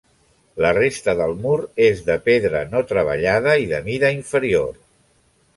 La resta del mur és de pedra no treballada i de mida inferior.